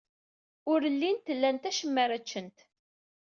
Ur llint lant acemma ara ččent.